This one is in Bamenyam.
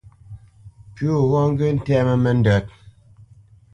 Pʉ̌ gho ghɔ́ ŋgyə̂ ntɛ́mə́ nəndə́t.